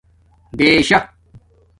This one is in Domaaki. بݻرشہ